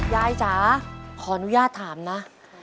จ๋าขออนุญาตถามนะ